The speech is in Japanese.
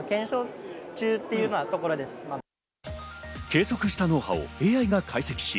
計測した脳波をＡＩが解析し、